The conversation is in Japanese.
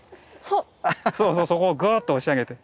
そうそうそこをぐっと押し上げて。